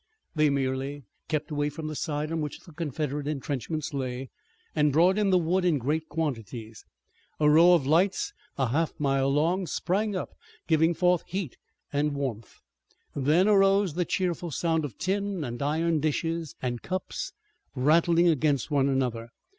They merely kept away from the side on which the Confederate intrenchments lay, and brought in the wood in great quantities. A row of lights a half mile long sprang up, giving forth heat and warmth. Then arose the cheerful sound of tin and iron dishes and cups rattling against one another.